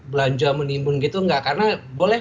belanja menimbun gitu enggak karena boleh